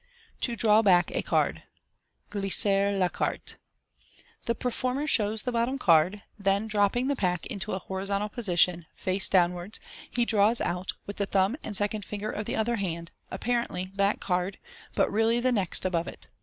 To Draw Back a Card, (filisser la carte). — The performer Fig. 24. Fig. 35. shows the bottom card, then dropping the pack into a horizontal position, face downwards, he draws out, with the thumb and second finger of the other hand, apparently that card, but really the next above it.